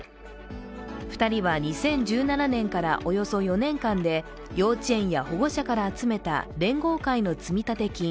２人は２０１７年からおよそ４年間で幼稚園や保護者から集めた連合会の積立金